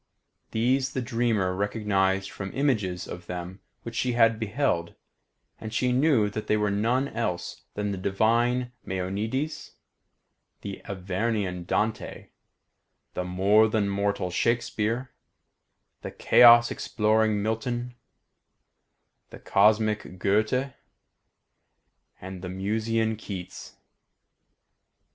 These the dreamer recognised from images of them which she had beheld, and she knew that they were none else than the divine Maeonides, the Avernian Dante, the more than mortal Shakespeare, the chaos exploring Milton, the cosmic Goethe, and the Musaean Keats.